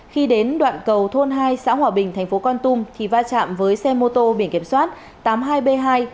khi đến đoạn cầu thôn hai xã hòa bình tp con tum thì va chạm với xe mô tô biển kiểm soát tám mươi hai b hai ba nghìn tám trăm một mươi bảy